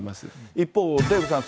一方、デーブさん。